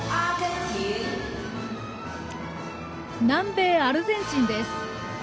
南米アルゼンチンです。